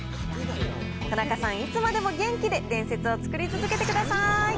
田中さん、いつまでも元気で伝説を作り続けてください。